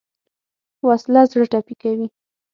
وسله زړه ټپي کوي